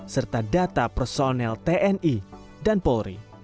serta data personel tni dan polri